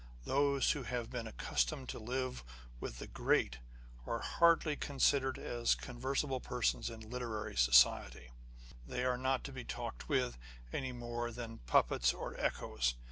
Those who have been accustomed to live with the great 38 On the Conversation of Authors. are hardly considered as conversable persons in literary society. They are not to be talked with, any more than puppets or echoes.